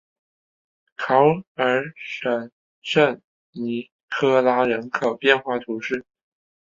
考尔什圣尼科拉人口变化图示